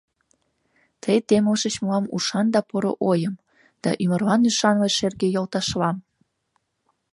Тый темлышыч мылам ушан да поро ойым Да ӱмырлан ӱшанле шерге йолташлам.